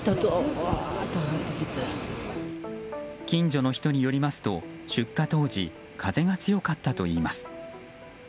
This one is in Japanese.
近所の人によりますと出火当時風が強かったといいます。